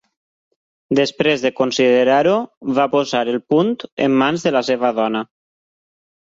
Després de considerar-ho, va posar el punt en mans de la seva dona.